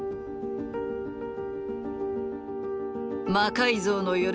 「魔改造の夜」